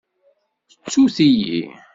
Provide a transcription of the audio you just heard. Ttut-iyi.